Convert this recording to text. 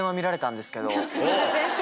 先生。